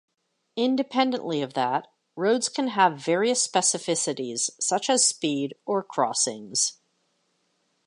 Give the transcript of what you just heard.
Independently of that roads can have various specificities such as speed or crossings.